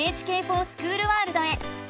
「ＮＨＫｆｏｒＳｃｈｏｏｌワールド」へ。